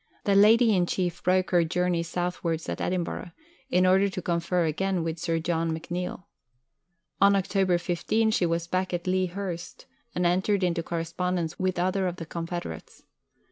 The Lady in Chief broke her journey southwards at Edinburgh, in order to confer again with Sir John McNeill. On October 15 she was back at Lea Hurst, and entered into correspondence with other of the confederates.